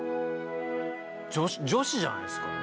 女子じゃないですか？